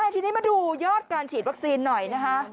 ทีนี้มาดูยอดการฉีดวัคซีนหน่อยนะคะ